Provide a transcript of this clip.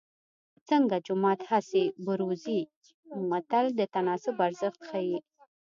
څنګه جومات هسې بروزې متل د تناسب ارزښت ښيي